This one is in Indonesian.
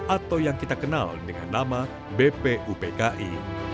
atau yang kita kenal dengan nama bpupki